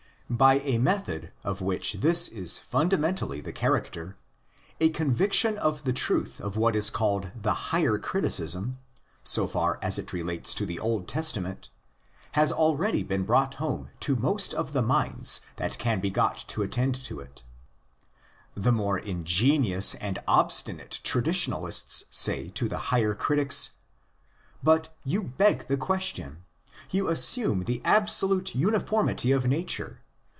By a method of which this is fundamentally the character, a conviction of the truth of what is called the higher criticism, so far as it relates to the Old Testament, has already been brought home to most of the minds that can be got to attend toit. ' But,"' the more ingenious and obstinate traditionalists say to the higher critics, '' you beg the question. You assume the absolute uniformity of nature.